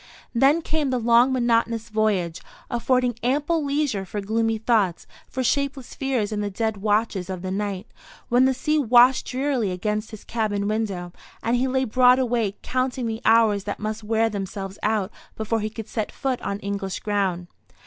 Then came the long monotonous voyage, affording ample leisure for gloomy thoughts, for shapeless fears in the dead watches of the night, when the sea washed drearily against his cabin window, and he lay broad awake counting the hours that must wear themselves out before he could set foot on English ground.